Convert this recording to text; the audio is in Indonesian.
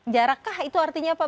jarakkah itu artinya pak